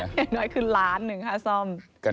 อย่างน้อยคือล้านหนึ่งค่าซ่อม